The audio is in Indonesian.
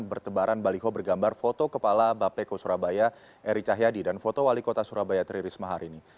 bertebaran baliho bergambar foto kepala bapeko surabaya eri cahyadi dan foto wali kota surabaya tri risma hari ini